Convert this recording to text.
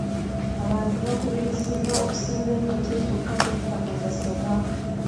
Abantu bakubirizibwa okusimba emiti ku ttaka eritakozesebwa.